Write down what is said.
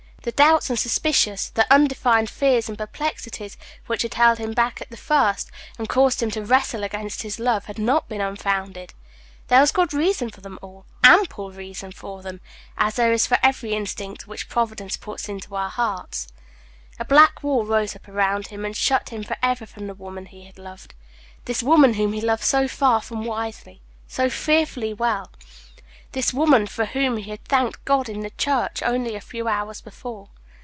The doubts and suspicious, the undefined fears and perplexities, which had held him back at the first, and caused him to wrestle against his love, had not been unfounded. There was good reason for them all, ample reason for them, as there is for every instinct which Providence puts into our hearts. A black wall rose up round about him, and shut him for ever from the woman he loved; this woman whom he loved so far from wisely, so fearfully well; this woman, for whom he had thanked God in the church only a few hours before.